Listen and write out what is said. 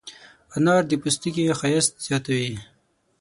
انار د پوستکي ښایست زیاتوي.